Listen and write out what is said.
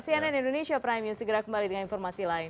cnn indonesia prime news segera kembali dengan informasi lain